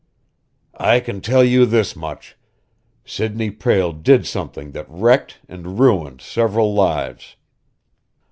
"I can tell you this much: Sidney Prale did something that wrecked and ruined several lives.